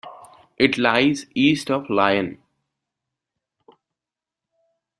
It lies east of Lyon.